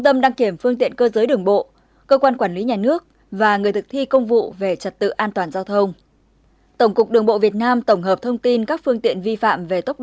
hãy đăng ký kênh để ủng hộ kênh của mình nhé